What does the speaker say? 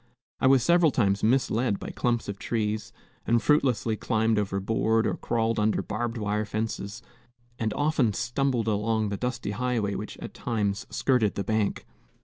I was several times misled by clumps of trees, and fruitlessly climbed over board or crawled under barbed wire fences, and often stumbled along the dusty highway which at times skirted the bank.